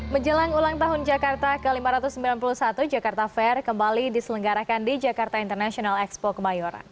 menjelang ulang tahun jakarta ke lima ratus sembilan puluh satu jakarta fair kembali diselenggarakan di jakarta international expo kemayoran